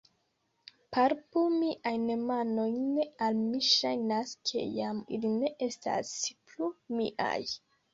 Palpu miajn manojn; al mi ŝajnas, ke jam ili ne estas plu miaj.